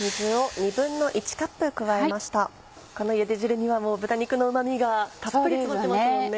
このゆで汁には豚肉の旨味がたっぷり詰まってますもんね。